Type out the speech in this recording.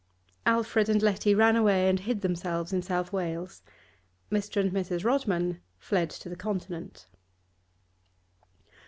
Alfred and Letty ran away and hid themselves in South Wales. Mr. and Mrs. Rodman fled to the Continent.